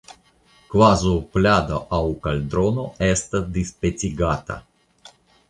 kvazaŭ plado aŭ kaldrono estas dispecigata.